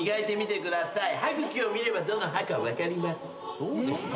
そうですか？